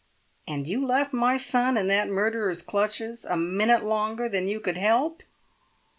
"And you left my son in that murderer's clutches a minute longer than you could help?"